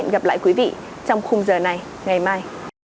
hẹn gặp lại quý vị trong khung giờ này ngày mai